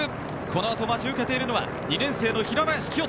このあと待ち受けているのは２年生の平林清澄。